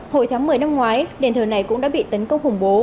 hồi tháng một mươi năm ngoái đền thờ này cũng đã bị tấn công khủng bố